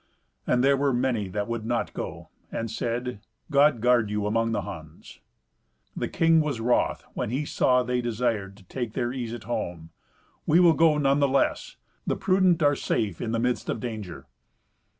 And there were many that would not go, and said, "God guard you among the Huns." The king was wroth when he saw they desired to take their ease at home. "We will go none the less. The prudent are safe in the midst of danger."